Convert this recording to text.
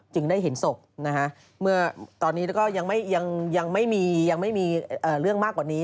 จึงได้เห็นศพตอนนี้ก็ยังไม่มีเรื่องมากกว่านี้